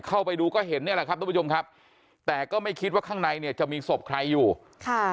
เข้าไปดูก็เห็นเนี่ยแหละครับทุกผู้ชมครับแต่ก็ไม่คิดว่าข้างในเนี่ยจะมีศพใครอยู่ค่ะ